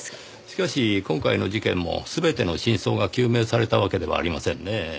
しかし今回の事件も全ての真相が究明されたわけではありませんねぇ。